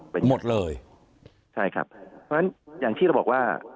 เป็นหมดเลยใช่ครับเพราะฉะนั้นอย่างที่เราบอกว่า